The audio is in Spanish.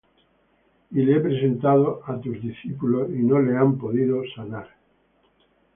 Y le he presentado á tus discípulos, y no le han podido sanar.